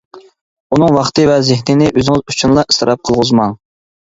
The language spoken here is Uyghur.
ئۇنىڭ ۋاقتى ۋە زېھنىنى ئۆزىڭىز ئۈچۈنلا ئىسراپ قىلغۇزماڭ.